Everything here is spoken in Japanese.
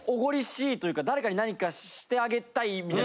というか誰かに何かしてあげたいみたいな。